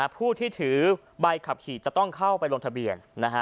ผู้ที่ถือใบขับขี่จะต้องเข้าไปลงทะเบียน